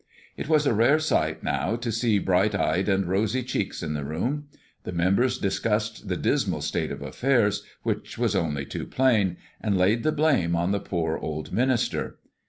It was a rare sight now to see bright eyes and rosy cheeks in the room. The members discussed the dismal state of affairs, which was only too plain, and laid the blame on the poor old minister.